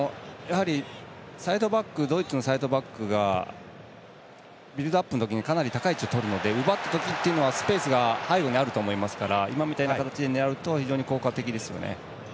ドイツのサイドバックがビルドアップの時にかなり高い位置をとるので奪ったときはスペースが背後にあると思うので今みたいな形で狙うと非常に効果的ですよね。